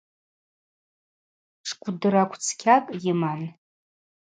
Тшкӏвдыракв цкьакӏ йыман.